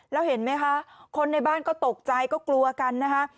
แล้วเห็นไหมคะคนในบ้านก็ตกใจก็กลัวกันนะคะ